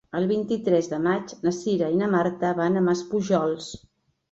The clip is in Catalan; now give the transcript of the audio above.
El vint-i-tres de maig na Cira i na Marta van a Maspujols.